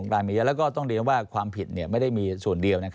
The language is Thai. แล้วก็ต้องเรียนว่าความผิดไม่ได้มีส่วนเดียว